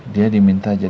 dia diminta jadi karyawan